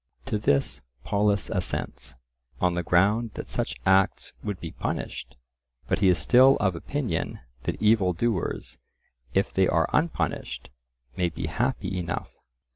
To this Polus assents, on the ground that such acts would be punished, but he is still of opinion that evil doers, if they are unpunished, may be happy enough.